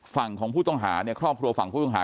ฝั่งของผู้ต้องหาเนี่ยครอบครัวฝั่งผู้ต้องหา